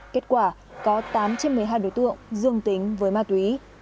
kết quả có tám trên một mươi hai đối tượng dương tính với ma túy